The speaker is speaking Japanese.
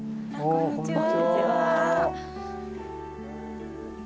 こんにちは。